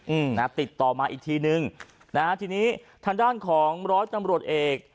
อืมนะฮะติดต่อมาอีกทีนึงนะฮะทีนี้ทางด้านของร้อยตำรวจเอก